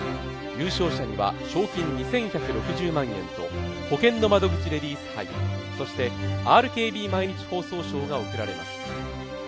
優勝者には賞金２１６０万円とほけんの窓口レディース杯そしてＲＫＢ毎日放送賞が贈られます。